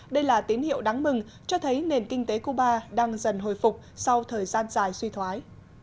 đây là tín hiệu đáng mừng cho thấy nền kinh tế cuba đang dần hồi phục sau thời gian dài suy thoái